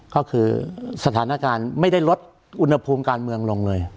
ก็คือสถานการณ์ไม่ได้ลดอุณหภูมิการเมืองลงเลย